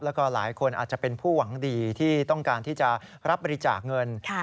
แล้วก็หลายคนอาจจะเป็นผู้หวังดีที่ต้องการที่จะรับบริจาคเงิน